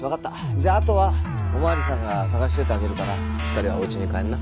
じゃああとはお巡りさんが捜しといてあげるから２人はお家に帰りな。